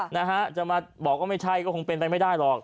นะฮะจะมาบอกว่าไม่ใช่ก็คงเป็นไปไม่ได้หรอก